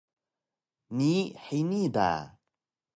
Nii hini da!